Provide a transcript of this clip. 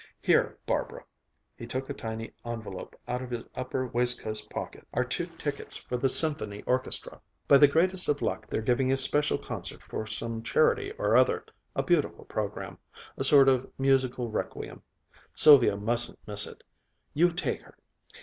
Here, Barbara," he took a tiny envelope out of his upper waistcoat pocket, "are two tickets for the symphony orchestra. By the greatest of luck they're giving a special concert for some charity or other, a beautiful program; a sort of musical requiem. Sylvia mustn't miss it; you take her.